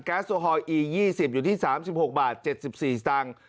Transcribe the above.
แก๊สโซฮอล์อียี่สิบอยู่ที่สามสิบหกบาทเจ็ดสิบสี่สตางค์